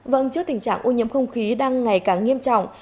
vâng trước tình trạng ô nhiễm không khí đang ngày càng nghiêm trọng